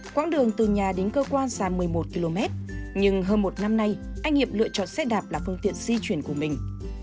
quãng đường từ nhà đến cơ quan dài một mươi một km nhưng hơn một năm nay anh hiệp lựa chọn xe đạp là phương tiện di chuyển của mình